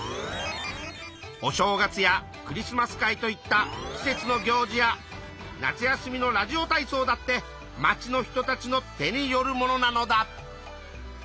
お正月やクリスマス会といった季節の行事や夏休みのラジオ体そうだってまちの人たちの手によるものなのだ。